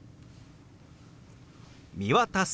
「見渡す」。